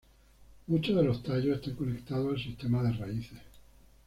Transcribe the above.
Muchos de los tallos están conectados al sistema de raíces.